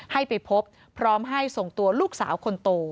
ให้ไปพบพร้อมให้ส่งตัวลูกสาวคนโต